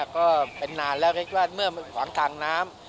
ก็เป็นนานแล้วก็คิดว่าเมื่อขวางทางน้ำ